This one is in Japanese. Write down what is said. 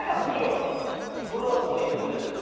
これはもう有名ですよ。